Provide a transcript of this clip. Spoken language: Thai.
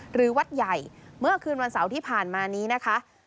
หรือวัดใหญ่เมื่อคืนวันเสาร์ที่ผ่านมานี้นะคะ